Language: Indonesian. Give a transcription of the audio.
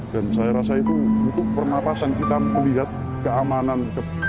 dan saya rasa itu untuk pernafasan kita melihat keamanan